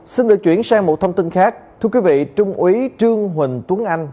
xin được chuyển sang một thông tin khác thưa quý vị trung úy trương huỳnh tuấn anh